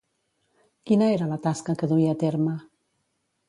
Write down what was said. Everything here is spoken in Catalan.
Quina era la tasca que duia a terme?